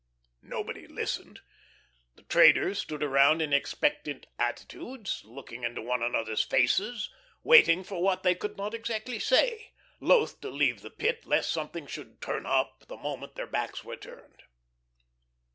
Nobody listened. The traders stood around in expectant attitudes, looking into one another's faces, waiting for what they could not exactly say; loath to leave the Pit lest something should "turn up" the moment their backs were turned.